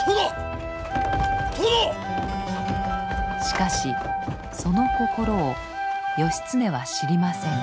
しかしその心を義経は知りません。